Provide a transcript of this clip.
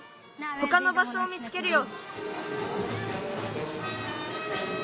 ほかのばしょを見つけるよ。